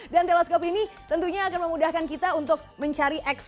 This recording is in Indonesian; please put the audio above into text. dan teleskop ini tentunya akan memudahkan kita untuk mencari exoplanet